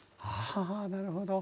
あなるほど。